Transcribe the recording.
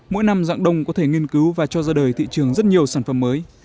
mỗi năm dạng đông có thể nghiên cứu và cho ra đời thị trường rất nhiều sản phẩm mới